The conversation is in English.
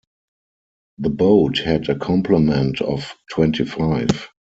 The boat had a complement of twenty-five.